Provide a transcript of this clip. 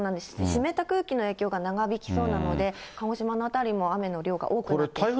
湿った空気の影響が長引きそうなので、鹿児島の辺りも雨の量が多くなってきそうです。